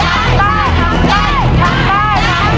หัวหนึ่งหัวหนึ่ง